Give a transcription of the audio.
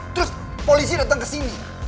terus polisi datang ke sini